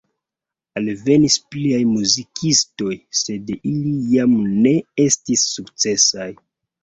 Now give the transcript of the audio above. Alvenis pliaj muzikistoj, sed ili jam ne estis sukcesaj.